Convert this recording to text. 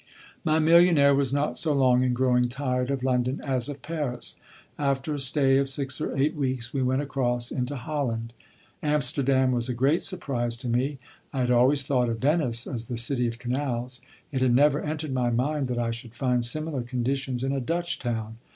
My millionaire was not so long in growing tired of London as of Paris. After a stay of six or eight weeks we went across into Holland. Amsterdam was a great surprise to me. I had always thought of Venice as the city of canals; it had never entered my mind that I should find similar conditions in a Dutch town.